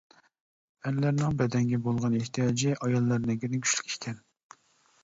ئەرلەرنىڭ بەدەنگە بولغان ئېھتىياجى ئاياللارنىڭكىدىن كۈچلۈك ئىكەن.